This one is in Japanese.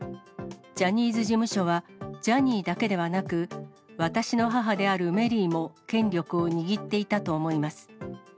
ジャニーズ事務所はジャニーだけではなく、私の母であるメリーも権力を握っていたと思います。